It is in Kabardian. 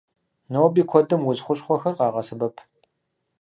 Ноби куэдым удз хущхъуэхэр къагъэсэбэп.